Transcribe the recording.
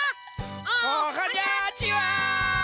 おはにゃちは！